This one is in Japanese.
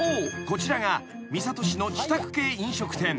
こちらが三郷市の自宅系飲食店。